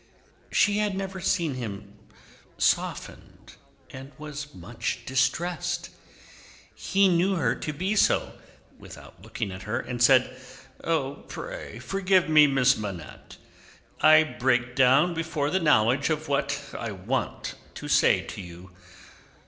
She had never seen him softened, and was much distressed. He knew her to be so, without looking at her, and said: "Pray forgive me, Miss Manette. I break down before the knowledge of what I want to say to you.